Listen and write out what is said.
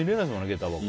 下駄箱。